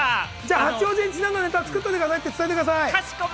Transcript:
八王子にちなんだネタ作ってくださいって言っといてください。